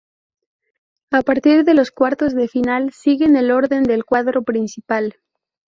A partir de los cuartos de final, siguen el orden del cuadro principal.